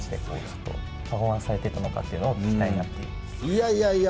いやいやいや。